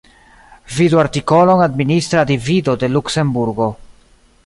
Vidu artikolon Administra divido de Luksemburgo.